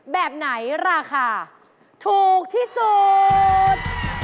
แบบไหนราคาถูกที่สุด